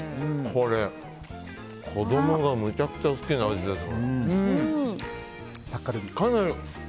これ、子供がむちゃくちゃ好きな味ですよ。